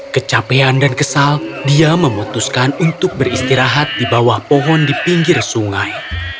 kecapean dan kesal dia memutuskan untuk beristirahat di bawah pohon di pinggir sungai